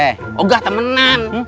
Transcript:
oh enggak temenan